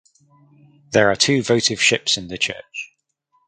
There are two votive ships in the church.